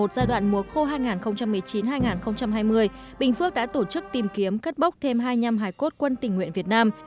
trong đợt một giai đoạn mùa khô hai nghìn một mươi chín hai nghìn hai mươi binh phước đã tổ chức tìm kiếm cất bóc thêm hai mươi năm hài cốt quân tỉnh nguyện việt nam